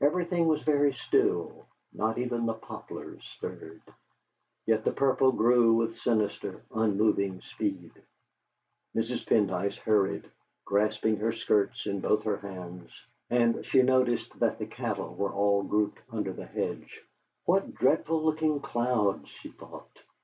Everything was very still, not even the poplars stirred, yet the purple grew with sinister, unmoving speed. Mrs. Pendyce hurried, grasping her skirts in both her hands, and she noticed that the cattle were all grouped under the hedge. '.hat dreadful looking clouds!' she thought.